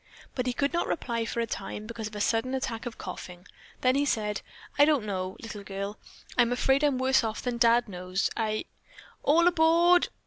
But he could not reply for a time, because of a sudden attack of coughing. Then he said: "I don't know, little girl. I'm afraid I'm worse off than Dad knows. I " "All aboard!"